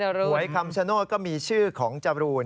หวยคำฉโน้ดก็มีชื่อของจาบรูณ